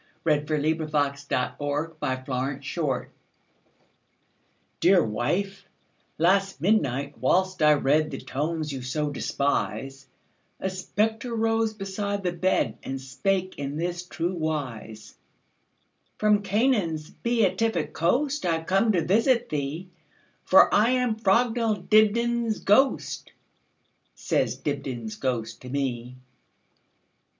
1900. By EugeneField 1045 Dibdin's Ghost DEAR wife, last midnight, whilst I readThe tomes you so despise,A spectre rose beside the bed, And spake in this true wise:"From Canaan's beatific coastI 've come to visit thee, For I am Frognall Dibdin's ghost,"Says Dibdin's ghost to me.